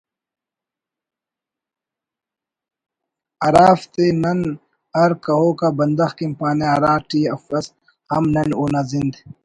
ہرافتے نن ہر کہوک آ بندغ کن پانہ ہرا ٹی افس ہم نن اونا زند